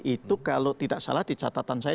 itu kalau tidak salah di catatan saya